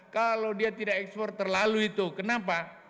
kalau dia tidak ekspor terlalu itu kenapa